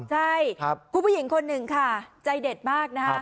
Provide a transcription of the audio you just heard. ใช่คุณผู้หญิงคนหนึ่งค่ะใจเด็ดมากนะฮะ